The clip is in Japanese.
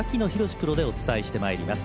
プロでお伝えしてまいります。